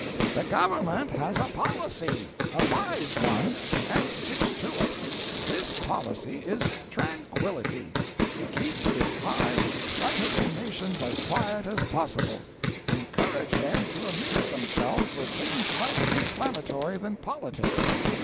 'The Government has a policy a wise one and sticks to it. This policy is tranquillity: keep this hive of excitable nations as quiet as possible; encourage them to amuse themselves with things less inflammatory than politics.